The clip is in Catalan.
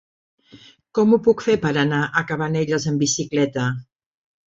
Com ho puc fer per anar a Cabanelles amb bicicleta?